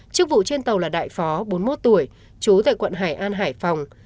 chức vụ trên tàu là đại phó bốn mươi một tuổi chú tại quận hải an hải phòng